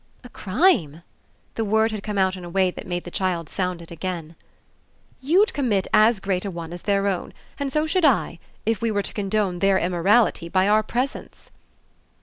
"A crime!" The word had come out in a way that made the child sound it again. "You'd commit as great a one as their own and so should I if we were to condone their immorality by our presence."